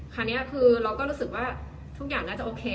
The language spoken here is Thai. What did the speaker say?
คราวนี้คือเราก็รู้สึกว่าทุกอย่างน่าจะโอเค